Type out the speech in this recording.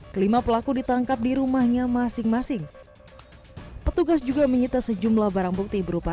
kelima pelaku ditangkap di rumahnya masing masing petugas juga menyita sejumlah barang bukti berupa